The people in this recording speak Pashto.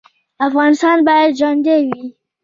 افغانستان باید ژوندی وي